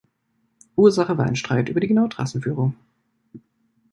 Ursache war ein Streit über die genaue Trassenführung.